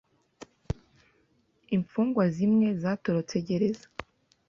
Imfungwa zimwe zatorotse gereza